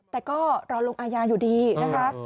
แต่ก็รอลงอาญาอยู่ดีนะคะ